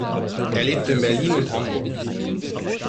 Er lebt in Berlin und Hamburg.